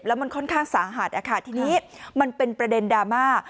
แล้วมันค่อนข้างสาหัสนะคะทีนี้มันเป็นประเด็นดราม่า